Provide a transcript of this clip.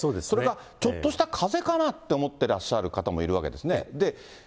それかちょっとしたかぜかなと思ってらっしゃる方もいるわけですね。